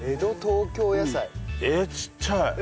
えっちっちゃい！